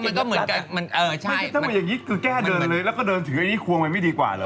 ไม่อยากอย่างนี้ก็แก้วเลยแล้วก็ถือไอ้นี่ควงมันไม่ดีกว่า